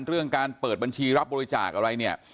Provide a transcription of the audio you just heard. เรื่องการเปิดบัญชีรับบริจาคอะไรเนี่ย